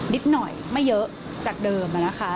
ดิ้ดหน่อยไม่เยอะจากเดิม